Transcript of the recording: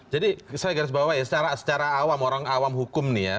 jadi saya harus bahwa secara awam orang awam hukum nih ya